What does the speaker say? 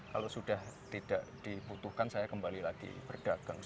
kalau sudah tidak dibutuhkan saya kembali lagi berdagang